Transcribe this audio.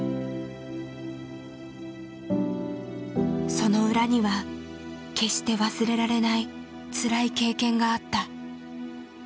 その裏には決して忘れられないつらい経験があった。